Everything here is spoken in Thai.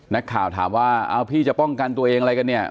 นักข่าวถามว่าเอาพี่จะป้องกันตัวเองอะไรกันเนี่ย